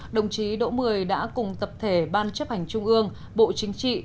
đồng chí đỗ mười đã cùng tập thể ban chấp hành trung ương bộ chính trị